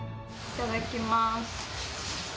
いただきます